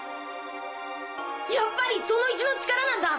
やっぱりその石の力なんだ！